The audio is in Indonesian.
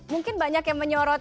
mungkin banyak yang menyorot